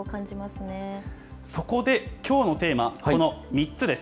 そこで、きょうのテーマ、この３つです。